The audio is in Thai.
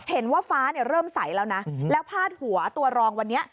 เห็นว่าฟ้าเริ่มใสแล้วนะแล้วพาดหัวตัวรองวันนี้